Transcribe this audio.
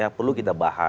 ya perlu kita bahas